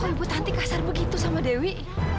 kok ibu tante kasar begitu sama dewi